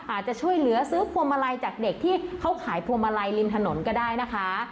อาจจะช่วยเหลือซื้อพวงมาลัยจากเด็กที่เขาขายพวงมาลัยริมถนนก็ได้นะคะ